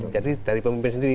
jadi dari pemimpin sendiri